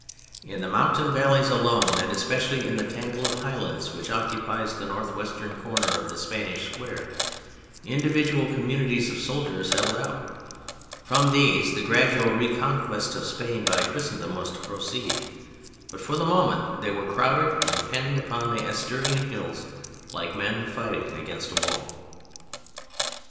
In the mountain valleys alone, and especially in the tangle of highlands which occupies the northwestern corner of the Spanish square, individual communities of soldiers held out. From these the gradual reconquest of Spain by Christendom was to proceed, but for the moment they were crowded and penned upon the Asturian hills like men fighting against a wall.